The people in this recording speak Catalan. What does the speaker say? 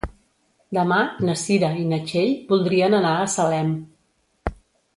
Demà na Cira i na Txell voldrien anar a Salem.